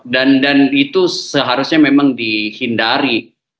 dan itu seharusnya memang dihindari